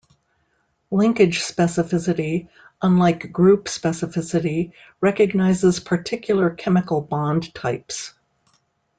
Linkage specificity, unlike group specificity, recognizes particular chemical bond types.